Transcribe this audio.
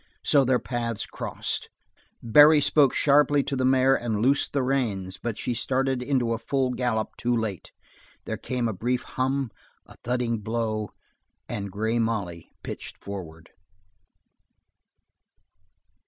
So their paths crossed. Barry spoke sharply to the mare and loosed the reins, but she started into a full gallop too late. There came a brief hum, a thudding blow, and Grey Molly pitched forward.